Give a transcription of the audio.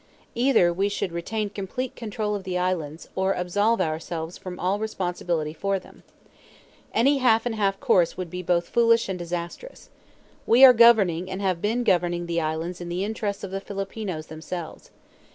Either we should retain complete control of the islands, or absolve ourselves from all responsibility for them. Any half and half course would be both foolish and disastrous. We are governing and have been governing the islands in the interests of the Filipinos themselves.